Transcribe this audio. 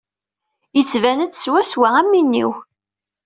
Yettban-d swaswa am win-iw.